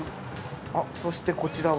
そしてこちらは？